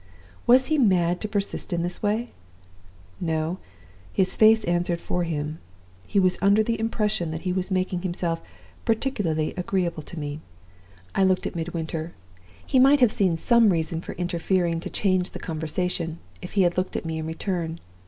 "Was he mad to persist in this way? No; his face answered for him. He was under the impression that he was making himself particularly agreeable to me. "I looked at Midwinter. He might have seen some reason for interfering to change the conversation, if he had looked at me in return.